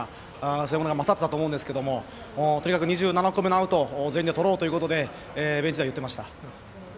そういうのが勝っていたと思うんですがとにかく２７個目のアウトを全員でとろうということでベンチでは言っていました。